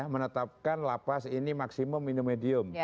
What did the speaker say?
menetapkan lapas ini maksimum minum medium